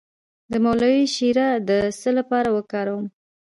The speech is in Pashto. د مولی شیره د څه لپاره وکاروم؟